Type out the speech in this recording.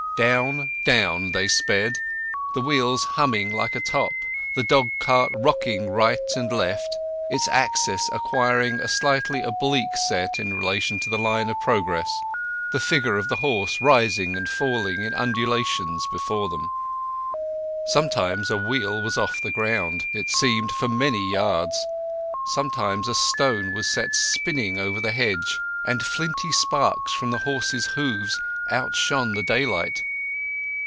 Down, down, they sped, the wheels humming like a top, the dog cart rocking right and left, its axis acquiring a slightly oblique set in relation to the line of progress; the figure of the horse rising and falling in undulations before them. Sometimes a wheel was off the ground, it seemed, for many yards; sometimes a stone was sent spinning over the hedge, and flinty sparks from the horse's hoofs outshone the daylight.